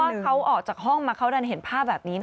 ว่าเขาออกจากห้องมาเขาดันเห็นภาพแบบนี้นะ